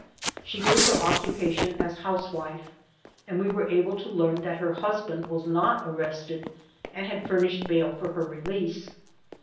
She gave her occupation as housewife and we were able to learn that her husband was not arrested and had furnished bail for her release.